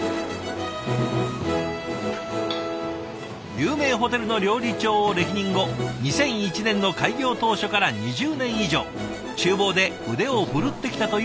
有名ホテルの料理長を歴任後２００１年の開業当初から２０年以上ちゅう房で腕を振るってきたという石束さん。